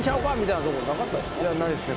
ないですね。